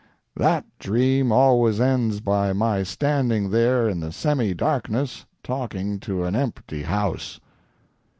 That dream always ends by my standing there in the semi darkness talking to an empty house."